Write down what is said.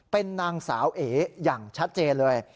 เป็นนางสาวเอ๋อย่างชัดเจนเลย